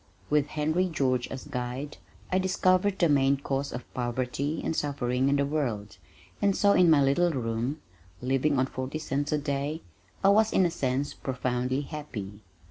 With Henry George as guide, I discovered the main cause of poverty and suffering in the world, and so in my little room, living on forty cents a day, I was in a sense profoundly happy.